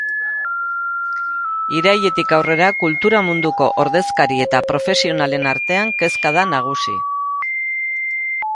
Irailetik aurrera, kultura munduko ordezkari eta profesionalen artean kezka da nagusi.